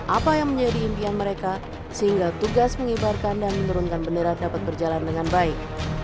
apa yang menjadi impian mereka sehingga tugas mengibarkan dan menurunkan bendera dapat berjalan dengan baik